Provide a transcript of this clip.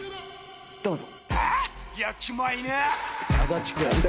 どうぞ。